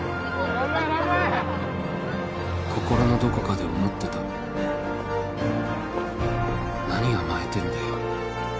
頑張れ頑張れ心のどこかで思ってた何甘えてんだよ